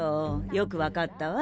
よくわかったわ。